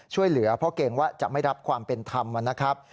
ช่วยเหลือเพราะเกรงว่าจะไม่รับความเป็นธรรมนะครับ